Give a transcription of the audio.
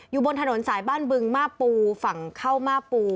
อยู่บนถนนสายบ้านบึงมาปูฝั่งเข้ามาปู